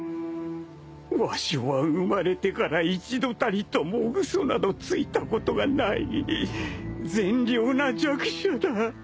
わしは生まれてから一度たりとも嘘などついたことがない善良な弱者だ